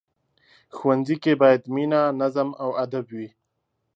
ښوونځی کې باید مینه، نظم او ادب وي